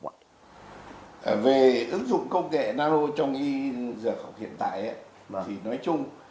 về ứng dụng công nghệ nano trong y dược học hiện tại thì nói chung